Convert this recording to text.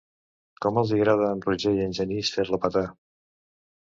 Com els hi agrada a en Roger i en Genís fer-la petar.